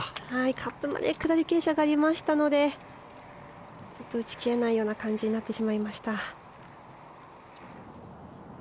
カップまで下り傾斜がありましたのでちょっと打ち切れないような感じになってしまいました。